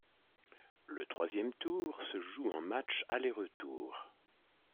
Le troisième tour se joue en matchs aller-retour.